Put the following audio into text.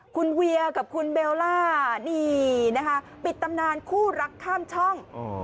คุณเวียกับคุณเบลล่านี่นะคะปิดตำนานคู่รักข้ามช่อง